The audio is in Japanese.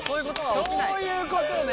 そういうことね。